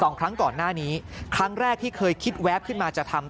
สองครั้งก่อนหน้านี้ครั้งแรกที่เคยคิดแวบขึ้นมาจะทำ